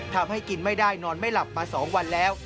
ทำให้กินไม่ได้นอนไม่หลับมา๒วันแล้ว